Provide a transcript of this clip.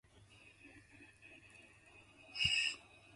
The post-larva swims using its pleopods.